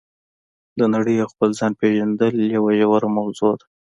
د نړۍ او خپل ځان پېژندل یوه ژوره موضوع ده.